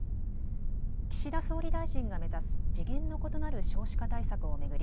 岸田総理大臣が目指す次元の異なる少子化対策を巡り